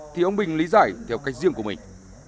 thì ông bình lý giải theo cách riêng của mình